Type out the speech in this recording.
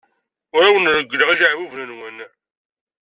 Ur awen-reggleɣ ijeɛbuben-nwen.